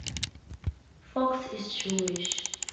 Fox is Jewish.